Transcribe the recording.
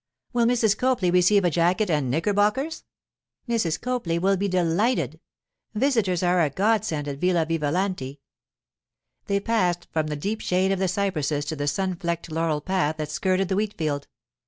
'Will Mrs. Copley receive a jacket and knickerbockers?' 'Mrs. Copley will be delighted. Visitors are a godsend at Villa Vivalanti.' They passed from the deep shade of the cypresses to the sun flecked laurel path that skirted the wheat field.